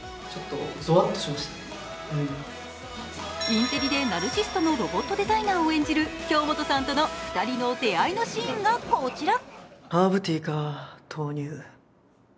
インテリでナルシストのロボットデザイナーを演じる京本さんとの２人の出会いのシーンがこちら。